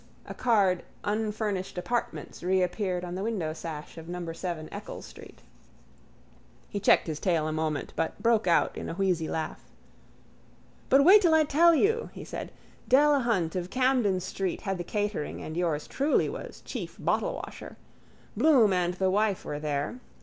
A card Unfurnished Apartments reappeared on the windowsash of number 7 Eccles street. He checked his tale a moment but broke out in a wheezy laugh. —But wait till I tell you, he said. Delahunt of Camden street had the catering and yours truly was chief bottlewasher. Bloom and the wife were there.